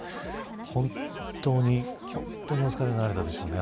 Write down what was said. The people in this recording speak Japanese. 本当に本当にお疲れになられたでしょうね